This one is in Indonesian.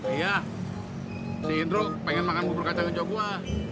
iya si indro pengen makan bubur kacang kejo gua